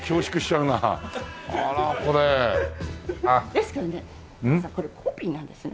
ですけどねこれコピーなんですね。